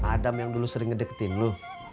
adam yang dulu sering ngedekin lu